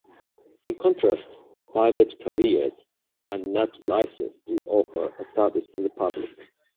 In contrast, private carriers are not licensed to offer a service to the public.